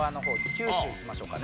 九州いきましょうかね。